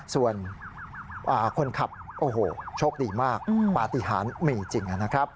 ส่วนคนขับโอ้โหโชคดีมากปฏิหารมีจริงนะครับ